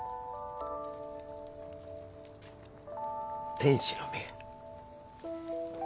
天使の目や。